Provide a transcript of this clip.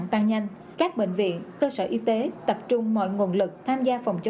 thì phải báo ngay với trạm y tế địa phương